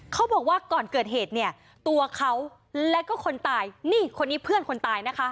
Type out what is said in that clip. เขาบอกว่าก่อนเกิดเหตุเนี่ยตัวเขาและก็คนตายนี่คนนี้เพื่อนคนตายนะคะ